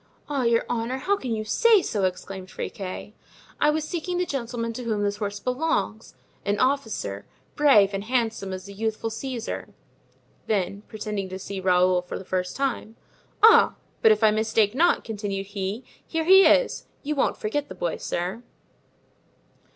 "Ah, your honor, how can you say so?" exclaimed Friquet. "I was seeking the gentleman to whom this horse belongs—an officer, brave and handsome as a youthful Caesar;" then, pretending to see Raoul for the first time: "Ah! but if I mistake not," continued he, "here he is; you won't forget the boy, sir."